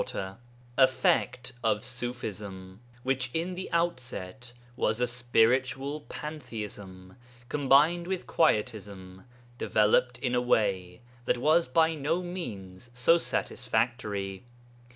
] EFFECT OF ṢUFISM Ṣufism, however, which in the outset was a spiritual pantheism, combined with quietism, developed in a way that was by no means so satisfactory.